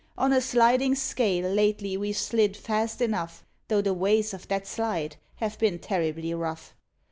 On a "sliding scale" lately we've slid fast enough, Though the "ways" of that slide have been terribly rough.